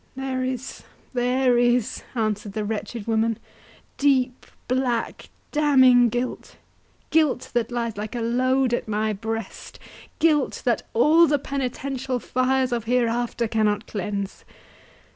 "There is—there is," answered the wretched woman, "deep, black, damning guilt,—guilt, that lies like a load at my breast—guilt, that all the penitential fires of hereafter cannot cleanse.